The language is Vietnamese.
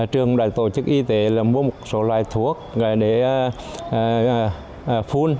trường đoàn tổ chức y tế mua một số loài thuốc để phun